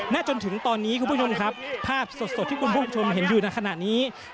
จนถึงตอนนี้คุณผู้ชมครับภาพสดที่คุณผู้ชมเห็นอยู่ในขณะนี้